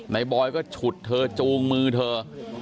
ในบอยล์ก็ฉุดเถอะจูงมือเถอะ